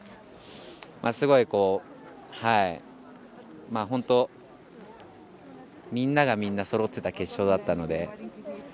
すごい本当、みんながみんなそろっていた決勝だったので。